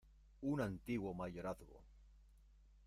¡ un antiguo mayorazgo!